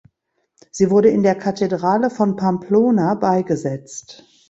Sie wurde in der Kathedrale von Pamplona beigesetzt.